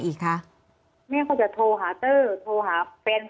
ยายก็ยังแอบไปขายขนมแล้วก็ไปถามเพื่อนบ้านว่าเห็นไหมอะไรยังไง